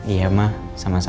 iya mah sama sama